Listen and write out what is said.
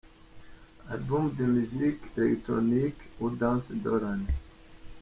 Album de musiques électroniques ou dance de l’année.